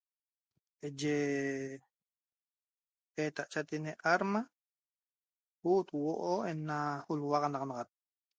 Eye eta cha tiene arma uto huoo' ena lhuanaxanaxat